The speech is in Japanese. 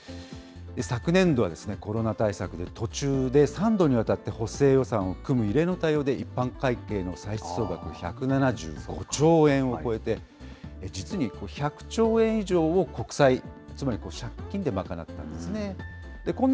昨年度はコロナ対策で、途中で３度にわたって補正予算を組む異例の対応で一般会計の歳出総額は１７５兆円を超えて、実に１００兆円以上を国債、つまり借金で賄ったんですね。